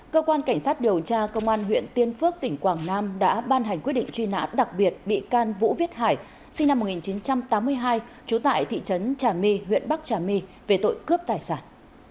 cơ quan cảnh sát điều tra công an huyện tiên phước tỉnh quảng nam đã ban hành quyết định truy nã đặc biệt bị can vũ viết hải sinh năm một nghìn chín trăm tám mươi hai trú tại thị trấn trà my huyện bắc trà my về tội cướp tài sản